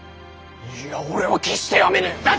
いや俺は決してやめねぇ！